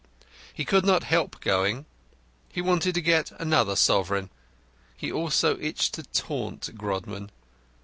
He could not help going. He wanted to get another sovereign. He also itched to taunt Grodman.